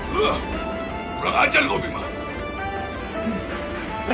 berang ajar kau bimba